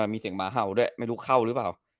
มีเสียงหมาเห่าด้วยไม่รู้เข้าหรือเปล่า